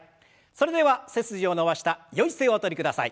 それでは背筋を伸ばしたよい姿勢をおとりください。